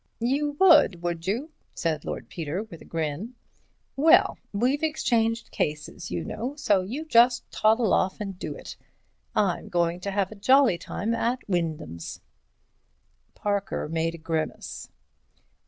"You would, would you?" said Lord Peter with a grin. "Well, we've exchanged cases, you know, so just you toddle off and do it. I'm going to have a jolly time at Wyndham's." Parker made a grimace.